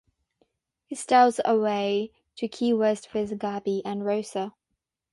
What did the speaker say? He stows away to Key West with Gabi and Rosa.